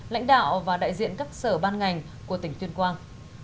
lãnh đạo và đại diện các sở ban ngành của tỉnh tuyên quang